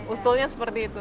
usulnya seperti itu